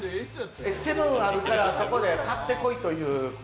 セブンあるからそこで買ってこいと。